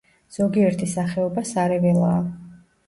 ზოგიერთი სახეობა სარეველაა.